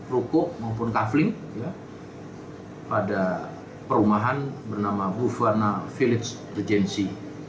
rukuk maupun kafling pada perumahan bernama bufarna village regency